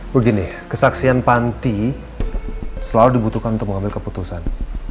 begini kesaksian panti selalu dibutuhkan untuk mengambil keputusan